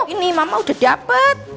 ini mama udah dapet